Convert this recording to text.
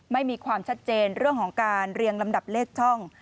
ไม่มีความชัดเจนเรื่องของการเรียงลำดับเลขช่อง